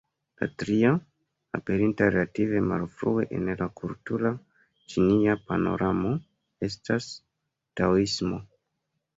La tria, aperinta relative malfrue en la kultura ĉinia panoramo, estas Taoismo.